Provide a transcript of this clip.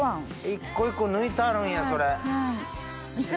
１個１個抜いてあるんやそれ。